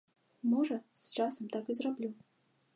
Можа, з часам так і зраблю.